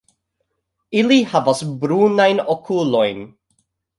Ili havas brunajn okulojn.